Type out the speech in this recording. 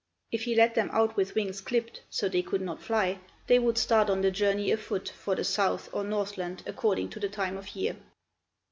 If he let them out with wings clipped, so they could not fly, they would start on the journey afoot for the south or northland according to the time of year.